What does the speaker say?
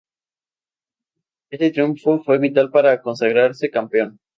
Ese triunfo fue vital para consagrarse campeón.